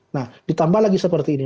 nah ditambah lagi seperti ini